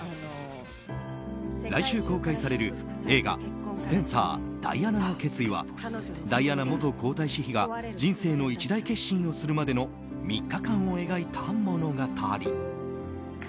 来週公開される映画「スペンサーダイアナの決意」はダイアナ元皇太子妃が人生の一大決心をするまでの３日間を描いた物語。